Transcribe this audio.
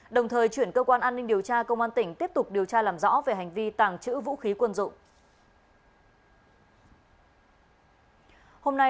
đồng thời chuyển cơ quan an ninh điều tra công an tỉnh tiếp tục điều tra làm rõ về hành vi tàng trữ vũ khí quân dụng